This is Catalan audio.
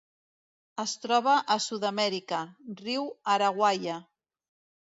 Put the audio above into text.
Es troba a Sud-amèrica: riu Araguaia.